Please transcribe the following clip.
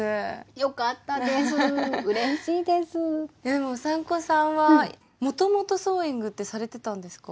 でもうさんこさんはもともとソーイングってされてたんですか？